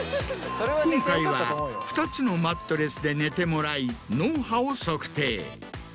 今回は２つのマットレスで寝てもらい脳波を測定。